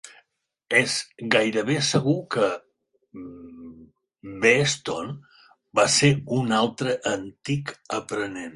És gairebé segur que Beeston va ser un altre antic aprenent.